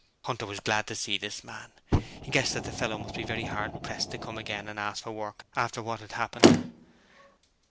Hunter was glad to see this man. He guessed that the fellow must be very hard pressed to come again and ask for work after what had happened.